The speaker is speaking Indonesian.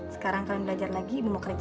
sekarang kalian belajar lagi mau kerja